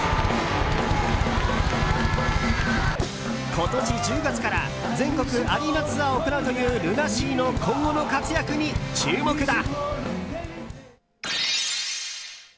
今年１０月から全国アリーナツアーを行うというＬＵＮＡＳＥＡの今後の活躍に注目だ。